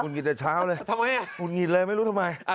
งุ่นหงิดแต่เช้าเลยงุ่นหงิดเลยไม่รู้ทำไมทำไม